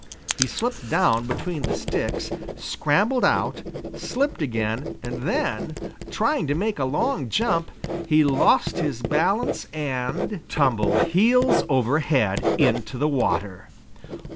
He slipped down between the sticks, scrambled out, slipped again, and then, trying to make a long jump, he lost his balance and tumbled heels over head into the water!